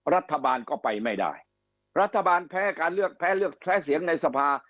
รัฐบาลก็ไปไม่ได้รัฐบาลแพ้การเลือกแพ้เลือกแพ้เสียงในสภา